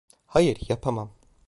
Hayır, yapamam.